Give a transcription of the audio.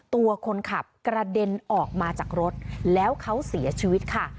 ตัวคนขับกระเด็นออกมาจากรถแล้วเขาเสียชีวิตค่ะ